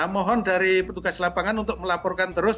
mohon dari petugas lapangan untuk melaporkan terus